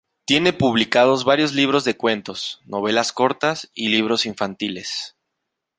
Tiene publicados varios libros de cuentos, novelas cortas y libros infantiles.